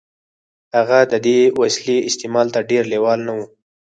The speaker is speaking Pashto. هغه د دې وسیلې استعمال ته ډېر لېوال نه و